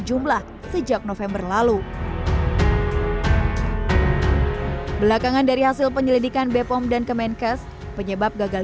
jumlah sejak november lalu belakangan dari hasil penyelidikan bepom dan kemenkes penyebab gagal